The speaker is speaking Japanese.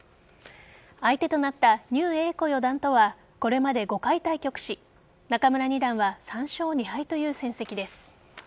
相手となった牛栄子四段とはこれまで５回対局し仲邑二段は３勝２敗という成績です。